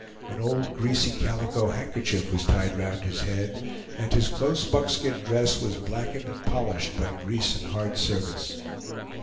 An old greasy calico handkerchief was tied round his head, and his close buckskin dress was blackened and polished by grease and hard service.